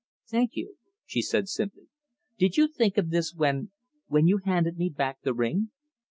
"Thank you," she said simply. "Did you think of this when when you handed me back the ring?"